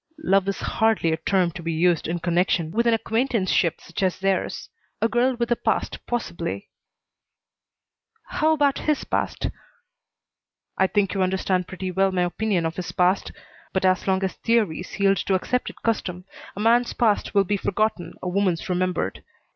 "Love is hardly a term to be used in connection with an acquaintanceship such as theirs. A girl with a past, possibly " "How about his past?" "I think you understand pretty well my opinion of his past. But as long as theories yield to accepted custom a man's past will be forgotten, a woman's remembered.